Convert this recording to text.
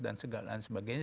dan segala sebagainya